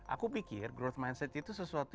aku pikir growth mindset itu sesuatu